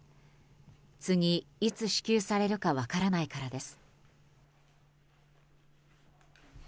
次、いつ支給されるか分からないからです。